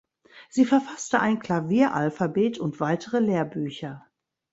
Sie verfasste ein "Klavier-Alphabet" und weitere Lehrbücher.